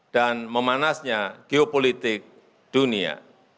dan memanasnya geopolitik dunia